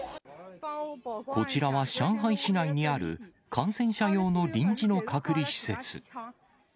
こちらは上海市内にある感染者用の臨時の隔離施設。